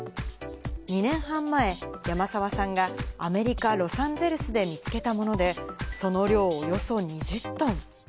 ２年半前、山澤さんがアメリカ・ロサンゼルスで見つけたもので、その量およそ２０トン。